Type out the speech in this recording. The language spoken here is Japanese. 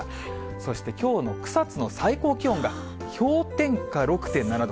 そしてきょうの草津の最高気温が、氷点下６．７度。